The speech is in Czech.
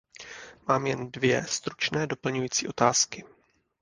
Mám jen dvě stručné doplňující otázky.